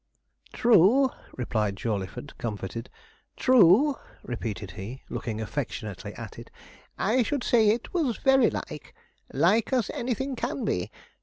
'True,' replied Jawleyford, comforted 'true,' repeated he, looking affectionately at it; 'I should say it was very like like as anything can be.